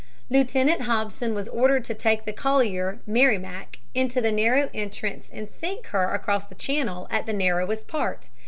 Lieutenant Hobson was ordered to take the collier Merrimac into the narrow entrance and sink her across the channel at the narrowest part.